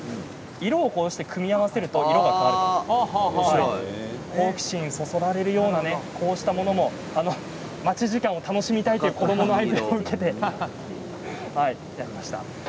色をこうして組み合わせると好奇心がそそられるようなこうしたものも待ち時間を楽しみたいという子どものアイデアで生まれました。